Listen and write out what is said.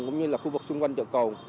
cũng như là khu vực xung quanh chợ côn